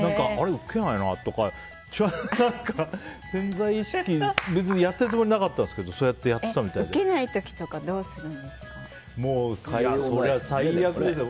ウケないなとか潜在意識、やってるつもりはなかったんですけどウケない時は最悪ですよ。